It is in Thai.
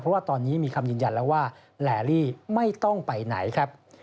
เพราะว่าตอนนี้มีคำยืนยันแล้วว่าแหลลี่ไม่ต้องไปไหนครับ